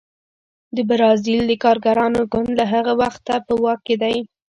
د بزازیل د کارګرانو ګوند له هغه وخته په واک کې دی.